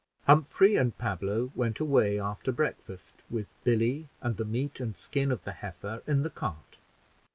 Humphrey and Pablo went away after breakfast, with Billy, and the meat and skin of the heifer in the cart.